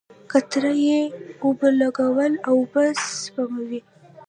قطره یي اوبولګول اوبه سپموي.